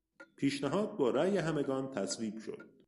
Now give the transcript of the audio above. پیشنهاد با رای همگان تصویب شد.